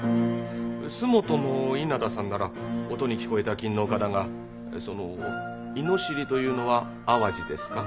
洲本の稲田さんなら音に聞こえた勤皇家だがその猪尻というのは淡路ですか？